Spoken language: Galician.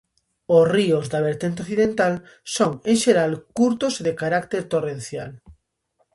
Os ríos da vertente occidental son en xeral curtos e de carácter torrencial.